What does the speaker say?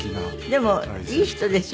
でもいい人ですよ